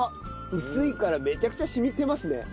薄いからめちゃくちゃ染みてますね。